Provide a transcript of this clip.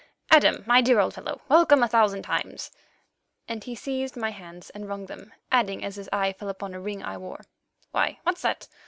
Adams, my dear old fellow, welcome a thousand times"—and he seized my hands and wrung them, adding, as his eye fell upon a ring I wore, "Why, what's that?